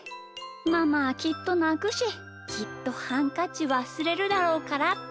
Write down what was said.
ママはきっとなくしきっとハンカチわすれるだろうからって。